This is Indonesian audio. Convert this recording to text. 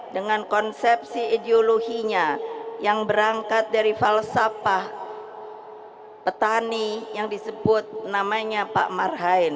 dengan konsepsi ideologinya yang berangkat dari falsafah petani yang disebut namanya pak marhain